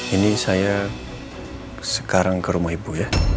ini saya sekarang ke rumah ibu ya